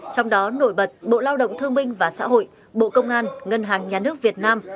trong đó nổi bật bộ lao động thương minh và xã hội bộ công an ngân hàng nhà nước việt nam